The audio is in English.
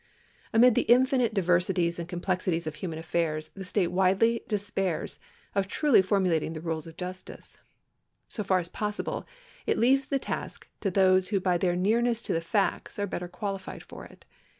Amid the infinite diversities and complexities of human affau's the state wisely despairs of truly formulating the rules of justice. So far as possible, it leaves the task to those who by their nearness to the facts are better qualified for it.